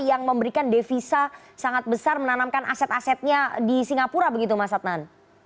yang memberikan devisa sangat besar menanamkan aset asetnya di singapura begitu mas adnan